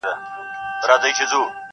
ما یې خالي انګړ ته وکړل سلامونه-